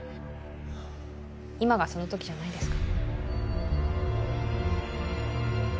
今がその時じゃないですか？